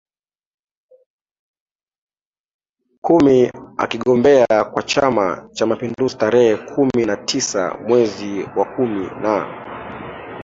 kumi akigombea kwa Chama cha mapinduziTarehe kumi na tisa mwezi wa kumi na